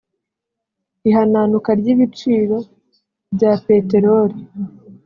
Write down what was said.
Ihananuka ry’ibiciro bya peteroli